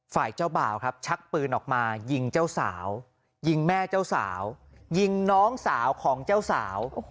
ฝ่ายเจ้าบ่าวครับชักปืนออกมายิงเจ้าสาวยิงแม่เจ้าสาวยิงน้องสาวของเจ้าสาว